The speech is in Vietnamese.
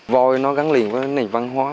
voi nó gắn liền với nền văn hóa